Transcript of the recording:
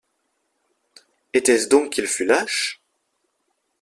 Était-ce donc qu’il fût lâche?